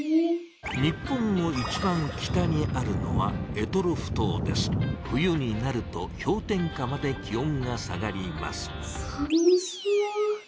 日本の一番北にあるのは冬になるとひょう点下まで気おんが下がりますさむそう。